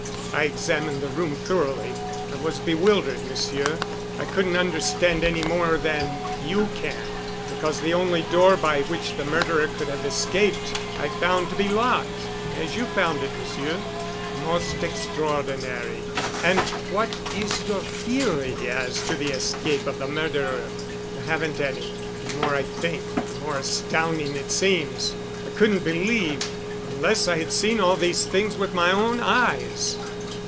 "I examined the room thoroughly—I was bewildered, Monsieur. I couldn't understand any more than you can, because the only door by which the murderer could have escaped I found to be locked—as you found it, Monsieur." "Most extraordinary! And what is your theory as to the escape of the murderer?" "I haven't any. The more I think, the more astounding it seems. I couldn't believe, unless I had seen all these things with my own eyes."